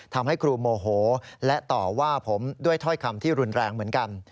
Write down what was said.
ทำให้ครูโมโหและต่อว่าผมด้วยถ้อยคำที่รุนแรงเหมือนกัน